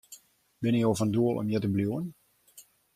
Binne jo fan doel om hjir te bliuwen?